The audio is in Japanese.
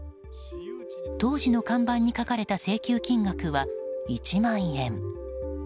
当時の看板に書かれた請求金額は１万円。